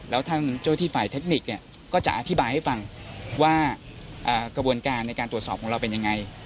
แล้วท่านเจ้าที่ฝ่ายเทคนิคเนี่ยก็จะอธิบายให้ฟังว่ากระบวนการในการตรวจสอบของเราเป็นยังไง